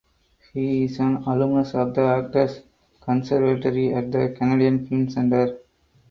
He is an alumnus of the Actors Conservatory at the Canadian Film Centre.